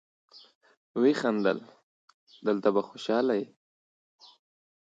ويې خندل: دلته به خوشاله يې.